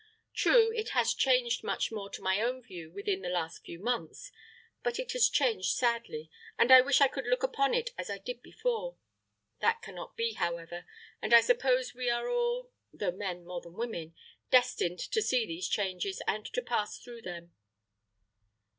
True, it has changed much to my own view within the last few months; but it has changed sadly, and I wish I could look upon it as I did before. That can not be, however; and I suppose we are all though men more than women destined to see these changes, and to pass through them."